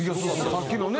さっきのね